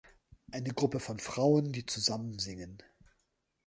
Eine Gruppe von Frauen, die zusammen singen.